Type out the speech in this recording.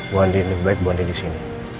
bu andin baik bu andin disini